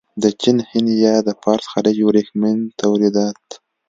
د چین، هند یا د فارس خلیج ورېښمین تولیدات.